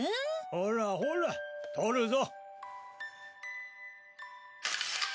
ほらほら撮るぞ！